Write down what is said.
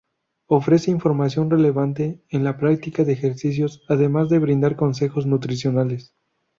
Ofrece información relevante en la práctica de ejercicios, además de brindar consejos nutricionales.